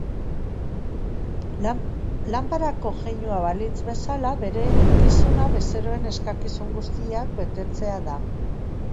Lanparako jeinua balitz bezala, bere eginkizuna bezeroen eskakizun guztiak betetzea da.